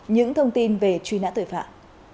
những thông tin về truy nã tội phạm